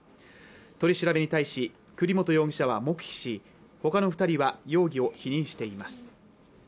取り調べに対し栗本容疑者は黙秘しほかの二人は容疑を否認しています